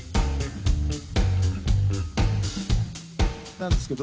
なんですけど。